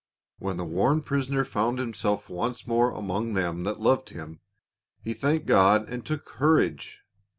When the worn prisoner found himself once more among them that loved him, "he thanked God and took courage."